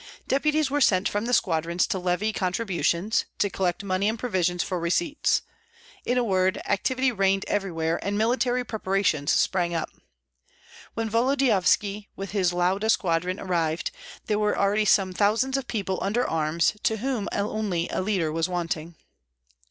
Deputies were sent from the squadrons to levy contributions, to collect money and provisions for receipts; in a word, activity reigned everywhere, and military preparations sprang up. When Volodyovski with his Lauda squadron arrived, there were already some thousands of people under arms, to whom only a leader was wanting.